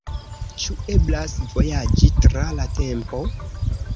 Ĉu eblas vojaĝi tra la tempo?